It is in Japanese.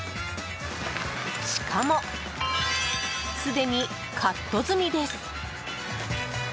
しかもすでにカット済みです。